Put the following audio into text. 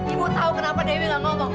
ibu tahu kenapa dewi gak ngomong